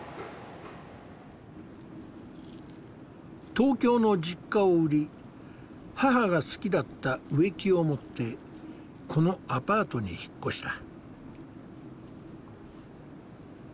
東京の実家を売り母が好きだった植木を持ってこのアパートに引っ越した。